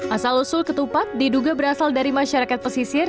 asal usul ketupat diduga berasal dari masyarakat pesisir